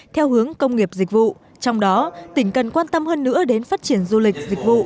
theo hướng công nghiệp dịch vụ trong đó tỉnh cần quan tâm hơn nữa đến phát triển du lịch dịch vụ